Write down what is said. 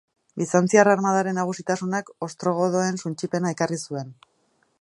Bizantziar armadaren nagusitasunak ostrogodoen suntsipena ekarri zuen.